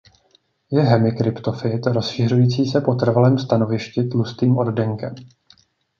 Je hemikryptofyt rozšiřující se po trvalém stanovišti tlustým oddenkem.